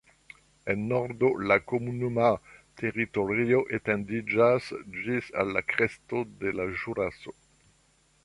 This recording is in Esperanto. En nordo la komunuma teritorio etendiĝas ĝis al la kresto de la Ĵuraso.